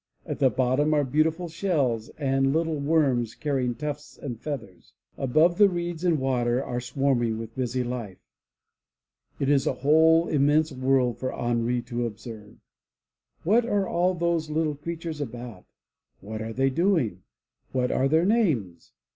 At the bottom are beautiful shells and little worms carrying tufts and feathers. Above, the reeds and water are swarming with busy life. It is a whole immense world for Henri to observe. What are all those little creatures about? What are they doing? What are their names?